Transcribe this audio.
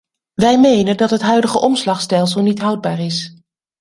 Wij menen dat het huidige omslagstelsel niet houdbaar is.